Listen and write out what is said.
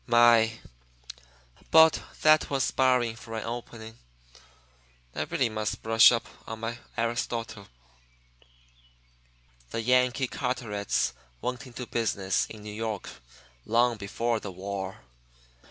My! but that was sparring for an opening! I really must brush op on my Aristotle. The Yankee Carterets went into business in New York long before the war.